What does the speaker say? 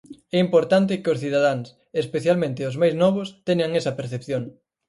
É importante que os cidadáns, e especialmente os máis novos, teñan esa percepción.